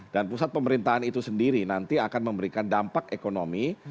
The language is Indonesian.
dan pusat pemerintahan itu sendiri nanti akan memberikan dampak ekonomi